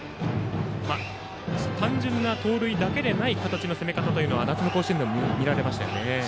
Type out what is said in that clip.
単純な盗塁だけでない形の攻め方は夏の甲子園でも見られましたよね。